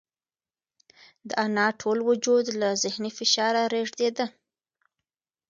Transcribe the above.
د انا ټول وجود له ذهني فشاره رېږدېده.